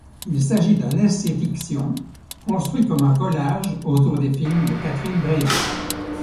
Il s'agit d'un essai-fiction construit comme un collage autour des films de Catherine Breillat.